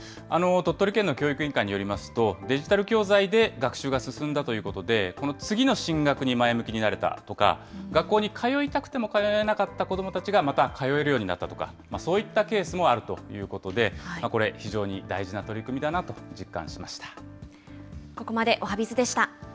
鳥取県の教育委員会によりますと、デジタル教材で学習が進んだということで、この次の進学に前向きになれたとか、学校に通いたくても通えなかった子どもたちがまた通えるようになったとか、そういったケースもあるということで、これ、非常に大事な取り組みだなと実感しました。